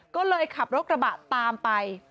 ก็เลยขับรถกระบะตามไป